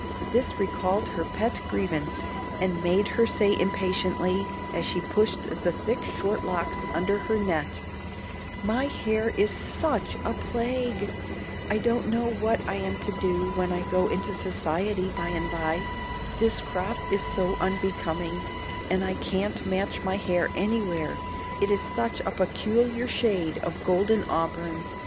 This recalled her pet grievance, and made her say impatiently, as she pushed the thick short locks under her net, "My hair is SUCH a plague! I don't know what I am to do when I go into society by and by. This crop is so unbecoming, and I can't match my hair anywhere, it is such a peculiar shade of golden auburn."